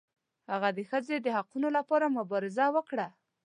هغه د ښځو د حقونو لپاره مبارزه وکړه.